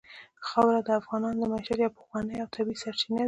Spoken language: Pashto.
خاوره د افغانانو د معیشت یوه پخوانۍ او طبیعي سرچینه ده.